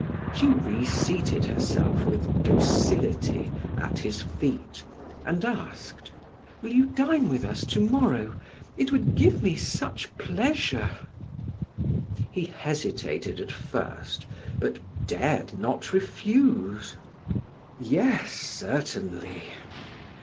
She reseated herself with docility at his feet and asked: "Will you dine with us to morrow? It would give me such pleasure," He hesitated at first, but dared not refuse. "Yes, certainly."